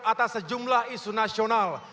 atas sejumlah isu nasional